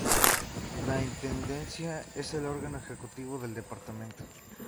La Intendencia es el órgano ejecutivo del departamento.